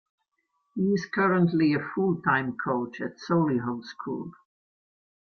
He is currently a full-time coach at Solihull School.